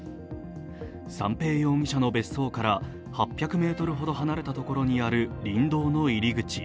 三瓶容疑者の別荘から８００ｍほど離れたところにある林道の入り口。